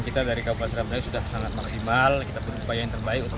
kita dari kabupaten surabaya sudah sangat maksimal kita berupaya yang terbaik untuk